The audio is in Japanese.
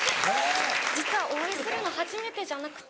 実はお会いするの初めてじゃなくて。